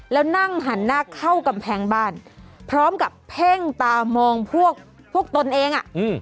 แล้วนั่งหันหน้าเข้ากำแพงบ้านพร้อมกับเพ่งตามองพวกตนเองอ่ะ